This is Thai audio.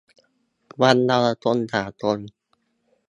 วันเยาวชนสากล